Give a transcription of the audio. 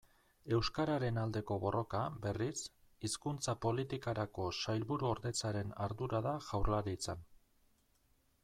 Euskararen aldeko borroka, berriz, Hizkuntza Politikarako Sailburuordetzaren ardura da Jaurlaritzan.